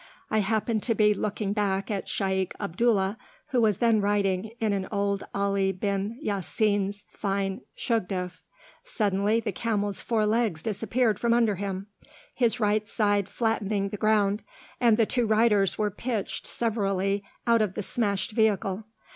I happened to be looking back at Shaykh Abdullah, who was then riding in old Ali bin Ya Sin's fine shugduf; suddenly the camel's four legs disappeared from under him, his right side flattening the ground, and the two riders were pitched severally out of the smashed vehicle.